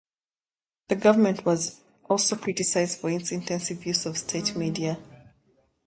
The government was also criticised for its intensive use of state media.